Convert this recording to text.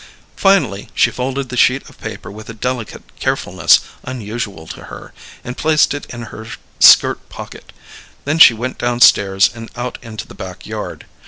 Finally she folded the sheet of paper with a delicate carefulness unusual to her, and placed it in her skirt pocket; then she went downstairs and out into the back yard.